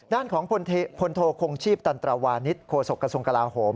ด้านของพลโทคงชีพตันตราวาณิชย์โฆษกสงกราโหม